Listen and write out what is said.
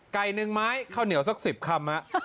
หนึ่งไม้ข้าวเหนียวสัก๑๐คำ